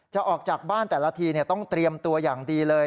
ออกจากบ้านแต่ละทีต้องเตรียมตัวอย่างดีเลย